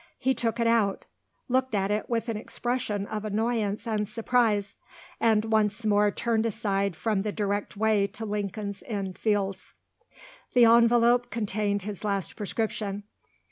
He took it out looked at it with an expression of annoyance and surprise and once more turned aside from the direct way to Lincoln's Inn Fields. The envelope contained his last prescription.